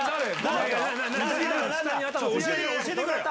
教えてくれよ。